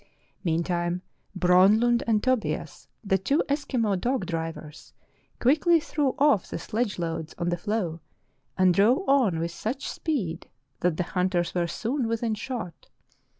Meantime Bronlund and Tobias, the two Eskimo dog drivers, quickly threw off the sledge loads on the floe and drove on with such speed that the hunters were soon within shot.